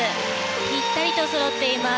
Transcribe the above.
ぴったりとそろっています。